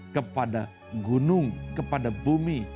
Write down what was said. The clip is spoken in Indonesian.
kepada gunung kepada bumi